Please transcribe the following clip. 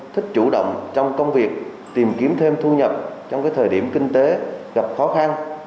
thích chủ động trong công việc tìm kiếm thêm thu nhập trong thời điểm kinh tế gặp khó khăn